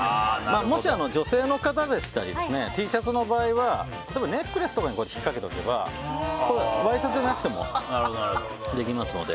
もし女性の方でしたりＴシャツの場合は例えばネックレスとかに引っかけておけばワイシャツじゃなくてもできますので。